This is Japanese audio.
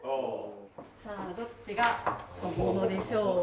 さあどっちが本物でしょう？